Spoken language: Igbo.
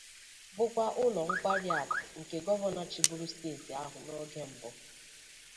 bụkwa ụlọ nkwariakụ nke Gọvanọ chịbụrụ steeti ahụ n'oge mbụ